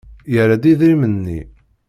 Yerra-d idrimen-nni.